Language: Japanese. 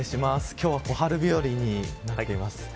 今日は小春日和になっています。